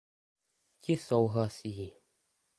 Ti souhlasí.